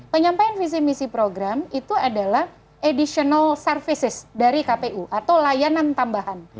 penyampaian visi misi program itu adalah additional services dari kpu atau layanan tambahan